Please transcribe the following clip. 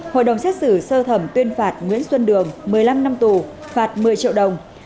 hội đồng xét xử sơ thẩm tuyên phạt nguyễn xuân đường một mươi năm năm tù phạt một mươi triệu đồng